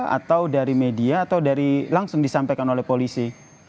atau dari media atau dari langsung disampaikan oleh polisi